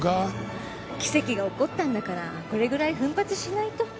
奇跡が起こったんだからこれぐらい奮発しないと。